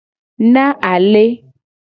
Na ale.